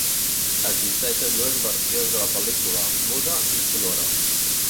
Existeixen dues versions de la pel·lícula: muda i sonora.